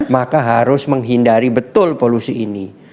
maka harus menghindari betul polusi ini